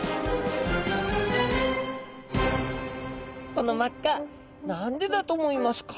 この真っ赤何でだと思いますか？